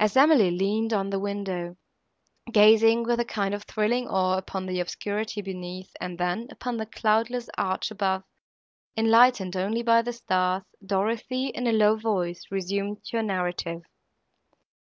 As Emily leaned on the window, gazing with a kind of thrilling awe upon the obscurity beneath, and then upon the cloudless arch above, enlightened only by the stars, Dorothée, in a low voice, resumed her narrative.